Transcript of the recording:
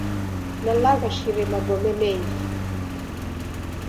Nalaghashire magome mengi.